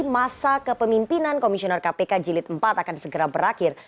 masa kepemimpinan komisioner kpk jilid empat akan segera berakhir